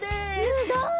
すごい！